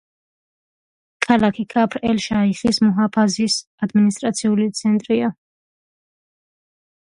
ქალაქი ქაფრ-ელ-შაიხის მუჰაფაზის ადმინისტრაციული ცენტრია.